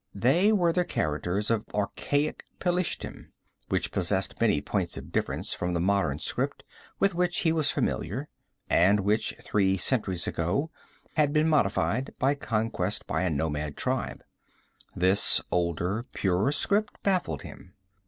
They were the characters of archaic Pelishtim, which possessed many points of difference from the modern script, with which he was familiar, and which, three centuries ago, had been modified by conquest by a nomad tribe. This older, purer script baffled him.